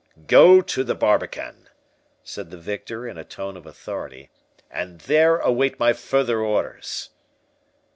"Go to the barbican," said the victor, in a tone of authority, "and there wait my further orders."